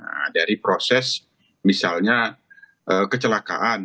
nah dari proses misalnya kecelakaan